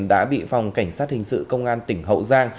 đã bị phòng cảnh sát hình sự công an tỉnh hậu giang